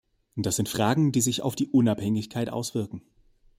Das sind Fragen, die sich auf die Unabhängigkeit auswirken.